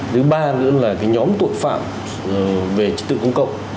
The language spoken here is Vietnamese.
thứ ba nữa là nhóm tội phạm về trí tự công cộng